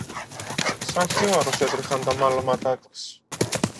Σα χείμαρρος έτρεχαν τα μαλώματά της